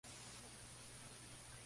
Sus intereses y escritos son diversos.